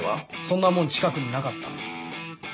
そんなもん近くになかった。